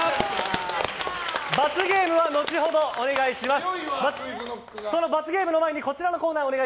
罰ゲームは後ほどお願いします。